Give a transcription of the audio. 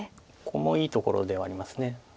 ここもいいところではあります。